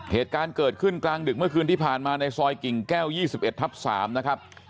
เหตุการณ์เกิดขึ้นกลางดึกเมื่อคืนที่ผ่านมาในซอยกิ่งแก้ว๒๑ทับ๓นะครับ